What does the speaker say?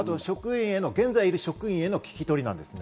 現在いる職員への聞き取りなんです。